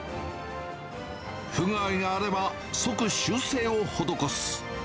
不具合があれば、即修正を施す。